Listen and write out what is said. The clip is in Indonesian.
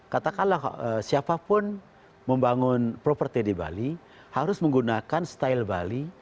katakanlah siapapun membangun properti di bali harus menggunakan style bali